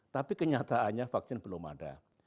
tapi kenyataannya vaksin belum ada